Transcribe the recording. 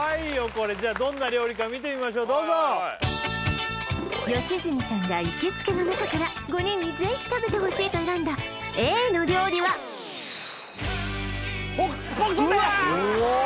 これどんな料理か見てみましょうどうぞ良純さんが行きつけの中から５人にぜひ食べてほしいと選んだＡの料理はポークソテー！